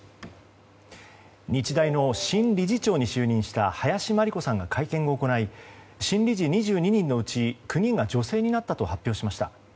日大の新理事長に就任した林真理子さんが会見を行い新理事２２人のうち９人が女性になったと発表しました。